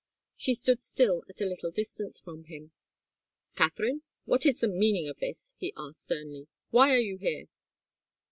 She stood still at a little distance from him. "Katharine, what is the meaning of this?" he asked, sternly. "Why are you here?"